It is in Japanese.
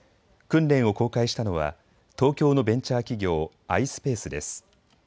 訓練を公開したのは東京のベンチャー企業、ｉｓｐａｃｅです。